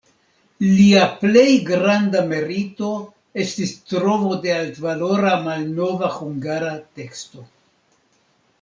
Lia plej granda merito estis trovo de altvalora malnova hungara teksto.